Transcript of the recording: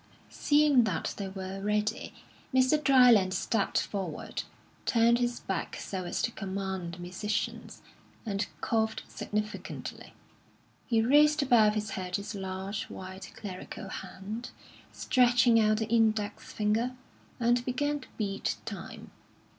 Seeing that they were ready, Mr. Dryland stepped forward, turned his back so as to command the musicians, and coughed significantly. He raised above his head his large, white clerical hand, stretching out the index finger, and began to beat time.